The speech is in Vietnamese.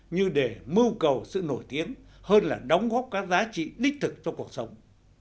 như để mưu cầu sự nổi tiếng hơn là đóng góp các giá trị đích thực cho cuộc sống